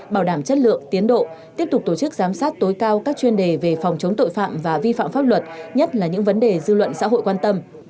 bảo đảm chất lượng tiến độ tiếp tục tổ chức giám sát tối cao các chuyên đề về phòng chống tội phạm và vi phạm pháp luật nhất là những vấn đề dư luận xã hội quan tâm